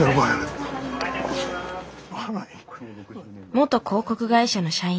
元広告会社の社員。